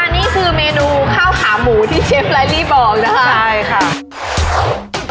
นี้คือเมนูข้าวขาหมูที่เชฟรายนี่บอกนะคะ